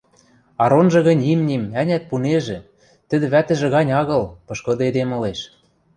Аронжы гӹнь имним, ӓнят, пунежӹ, тӹдӹ вӓтӹжӹ гань агыл, пышкыды эдем ылеш.